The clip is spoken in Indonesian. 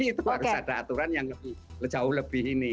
itu harus ada aturan yang jauh lebih ini